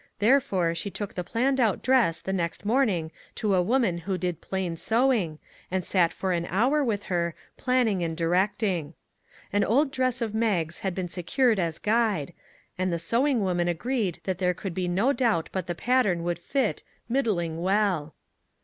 Therefore, she took the planned out dress the next morning to a woman who did plain sew ing, and sat for an hour with her, planning and directing. An old dress of Mag's had been se cured as guide, and the sewing woman agreed that there could be no doubt but the pattern would fit " middling well."